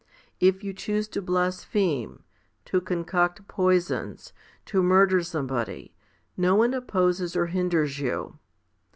If you choose to blaspheme, to concoct poisons, to murder some body, no one opposes or hinders you.